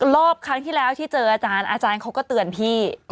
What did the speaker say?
รอบครั้งที่แล้วที่เจออาจารย์อาจารย์เขาก็เตือนพี่